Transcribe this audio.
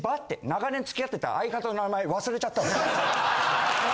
長年付き合ってた相方の名前忘れちゃったの。